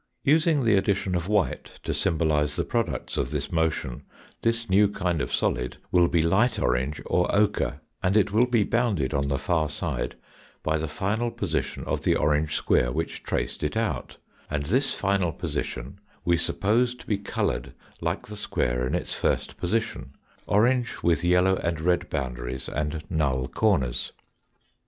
Using the addition of white to symbolise the products of this motion this new kind of solid will be light orange or ochre, and it will be bounded on the far side by the final position of the orange square which traced it out, and this final position we suppose to be coloured like the square in its first position, orange with yellow and red boundaries and null corners."